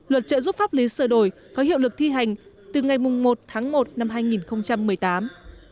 luật trợ giúp pháp lý sửa đổi có hiệu lực thi hành từ ngày một tháng một năm hai nghìn một mươi tám